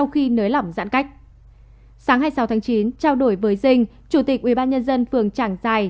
giãn cách sáng hai mươi sáu tháng chín trao đổi với dinh chủ tịch ubnd phường trảng giài